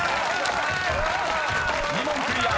２問クリア！